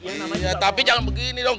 tapi jangan begini dong